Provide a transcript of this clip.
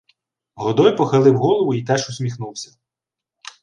Годой похилив голову й теж усміхнувся.